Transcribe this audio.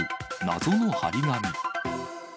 謎の貼り紙。